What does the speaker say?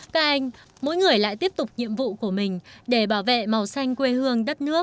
các anh mỗi người lại tiếp tục nhiệm vụ của mình để bảo vệ màu xanh quê hương đất nước